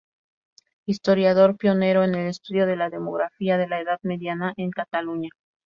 Historiador, pionero en el estudio de la demografía de la edad mediana en Cataluña.